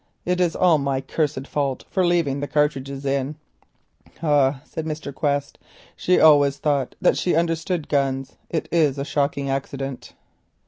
It is all my cursed fault for leaving the cartridges in." "Ah," said Mr. Quest. "She always thought she understood guns. It is a shocking accident."